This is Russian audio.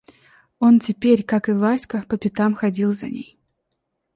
Он теперь, как и Васька, по пятам ходил за ней.